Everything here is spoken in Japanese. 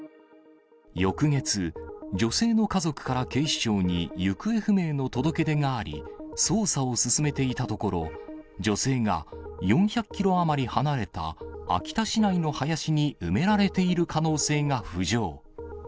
翌月、女性の家族から警視庁に行方不明の届け出があり、捜査を進めていたところ、女性が４００キロ余り離れた秋田市内の林に埋められている可能性が浮上。